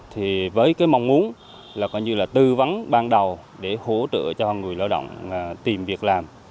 thì với cái mong muốn là tư vấn ban đầu để hỗ trợ cho người lao động tìm việc làm